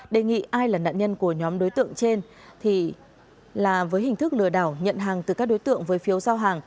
đề nghị ai là nạn nhân của nhóm đối tượng trên là với hình thức lừa đảo nhận hàng từ các đối tượng với phiếu giao hàng